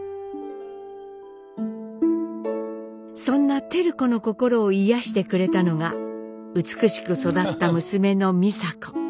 そんな照子の心を癒やしてくれたのが美しく育った娘の美佐子。